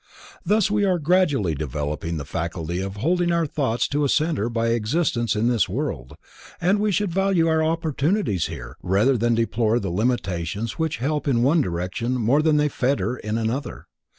Thus we are gradually developing the faculty of holding our thoughts to a center by existence in this world, and we should value our opportunities here, rather than deplore the limitations which help in one direction more than they fetter in another.